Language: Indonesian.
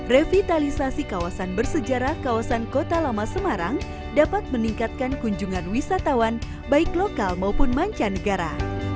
revitalisasi kawasan bersejarah kawasan kota lama semarang dapat meningkatkan kunjungan wisatawan baik lokal maupun mancanegara